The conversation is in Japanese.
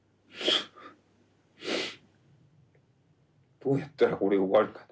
どうやったらこれ終わるかな。